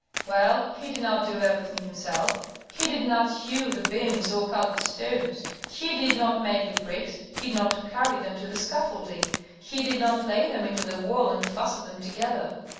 "Well, he did not do everything himself; he did not hew the beams or cut the stones, he did not make the bricks, he did not carry them to the scaffolding. He did not lay them into the wall and fasten them together.